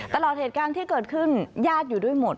ตลอดเหตุการณ์ที่เกิดขึ้นญาติอยู่ด้วยหมด